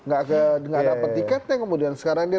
gak dapat tiketnya kemudian sekarang dia